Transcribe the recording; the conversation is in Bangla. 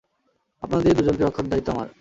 আপনাদের দুজনকে রক্ষা করার দায়িত্ব আমার।